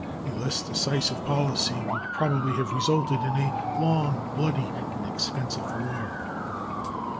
A less decisive policy would probably have resulted in a long, bloody, and expensive war."